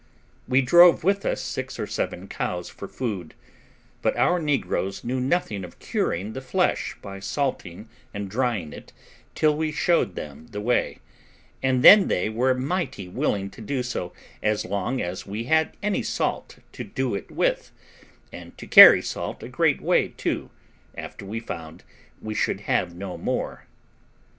We drove with us six or seven cows for food; but our negroes knew nothing of curing the flesh by salting and drying it till we showed them the way, and then they were mighty willing to do so as long as we had any salt to do it with, and to carry salt a great way too, after we found we should have no more.